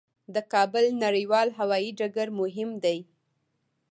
د کابل نړیوال هوايي ډګر مهم دی